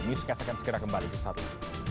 news kasih akan segera kembali di satu